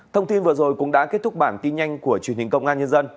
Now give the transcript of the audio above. thông tin vừa rồi cũng đã kết thúc bản tin nhanh của truyền hình công an nhân dân